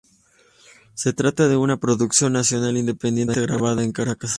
Se trata de una producción nacional independiente grabada en Caracas.